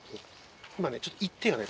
今ねちょっと「言って」がね。